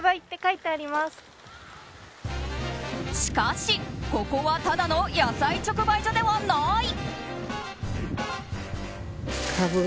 しかし、ここはただの野菜直売所ではない。